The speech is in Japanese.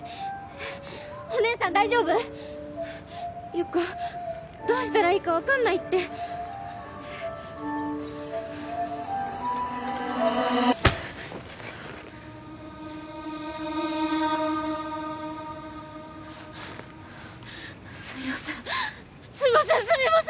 ゆっこどうしたらいいか分かんないってすみませんすみませんすみません！